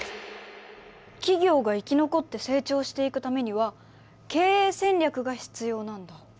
企業が生き残って成長していくためには経営戦略が必要なんだ。